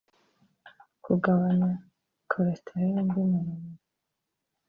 Kugabanya cholesterole mbi mu mubiri